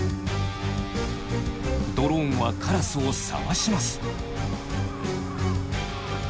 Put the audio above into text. ドローンはカラスを探します。